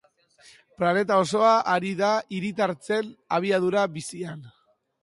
Planeta osoa ari da hiritartzen abiadura bizian.